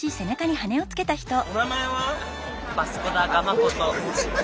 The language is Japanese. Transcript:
お名前は？